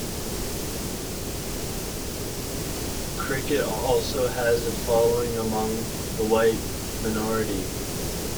Cricket also has a following among the white minority.